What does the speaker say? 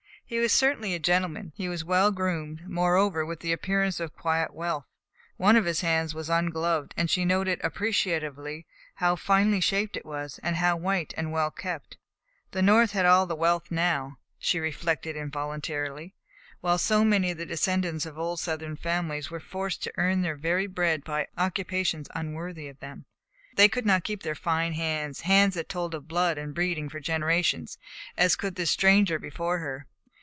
He was certainly a gentleman. He was well groomed, moreover, with the appearance of quiet wealth. One of his hands was ungloved, and she noted appreciatively how finely shaped it was, how white and well kept. The North had all the wealth now, she reflected involuntarily, while so many of the descendants of old Southern families were forced to earn their very bread by occupations unworthy of them. They could not keep their fine hands, hands that told of blood and breeding for generations, as could this stranger before her.